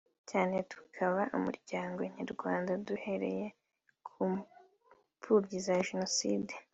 cyane tukubaka umuryango nyarwanda duhereye ku mpfubyi za Jenoside